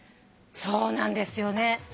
そうなんですよね。